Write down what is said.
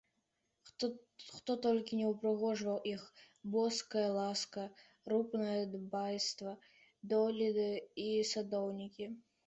Хто толькі не ўпрыгожваў іх — Боская ласка, рупнае дбайства, дойліды і садоўнікі.